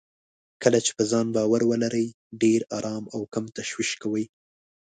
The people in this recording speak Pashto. کله چې په ځان باور ولرئ، ډېر ارام او کم تشويش کوئ.